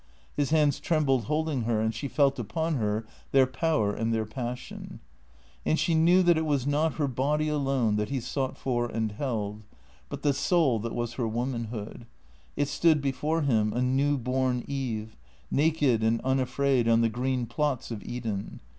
His hands trembled holding her, and she felt upon her their power and their passion. And she knew that it was not her body alone that he sought for and held, but the soul that was her womanhood. It stood before him, a new born Eve, naked and unafraid on the green plots of Eden.